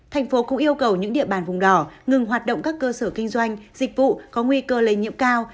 thành phố cũng yêu cầu những địa bàn vùng đỏ ngừng hoạt động các cơ sở kinh doanh dịch vụ có nguy cơ lây nhiễm cao